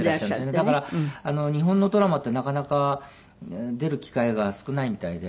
だから日本のドラマってなかなか出る機会が少ないみたいで。